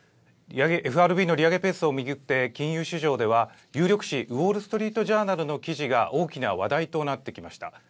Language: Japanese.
ＦＲＢの利上げペースを巡って金融市場では、有力紙、ウォール・ストリート・ジャーナルなどの記事が大きな話題となってきました。